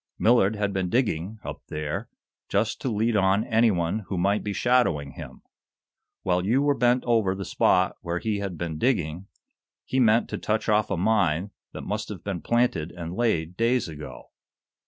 Millard had been digging, up there, just to lead on anyone who might be shadowing him. While you were bent over the spot where he had been digging, he meant to touch off a mine that must have been planted and laid days ago.